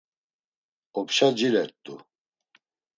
Opşa cilert̆u.